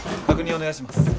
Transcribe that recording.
確認お願いします。